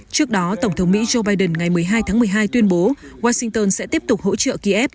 trước đó tổng thống mỹ joe biden ngày một mươi hai tháng một mươi hai tuyên bố washington sẽ tiếp tục hỗ trợ kiev